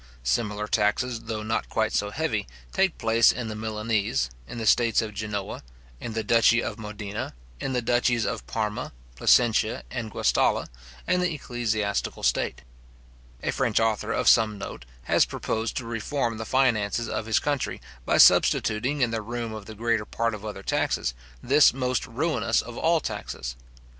Similar taxes, though not quite so heavy, take place in the Milanese, in the states of Genoa, in the duchy of Modena, in the duchies of Parma, Placentia, and Guastalla, and the Ecclesiastical state. A French author {Le Reformateur} of some note, has proposed to reform the finances of his country, by substituting in the room of the greater part of other taxes, this most ruinous of all taxes.